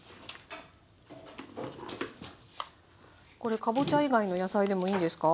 これかぼちゃ以外の野菜でもいいんですか？